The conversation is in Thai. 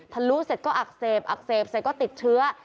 ลุเสร็จก็อักเสบอักเสบเสร็จก็ติดเชื้อ